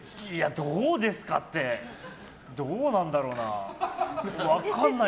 どうですかってどうなんだろうな。